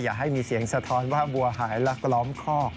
อย่าให้มีเสียงสะท้อนว่าบัวหายลักล้อมคอก